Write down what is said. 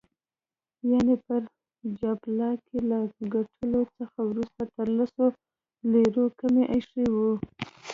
یعني پر جاپلاک یې له ګټلو څخه وروسته تر لسو لیرو کمې ایښي وې.